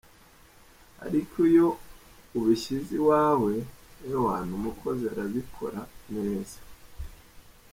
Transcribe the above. ariko iyo ubishyize iwawe, ewana umukozi arabikora neza.